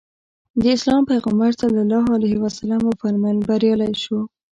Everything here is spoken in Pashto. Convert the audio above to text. د اسلام پیغمبر ص وفرمایل بریالی شو.